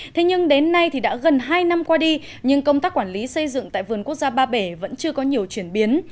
thế nhưng đến nay thì đã gần hai năm qua đi nhưng công tác quản lý xây dựng tại vườn quốc gia ba bể vẫn chưa có nhiều chuyển biến